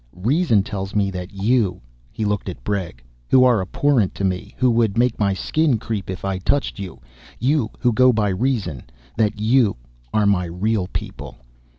Reason tells me that you " he looked at Bregg, " who are abhorrent to me, who would make my skin creep if I touched you, you who go by reason that you are my real people.